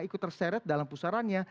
ikut terseret dalam pusarannya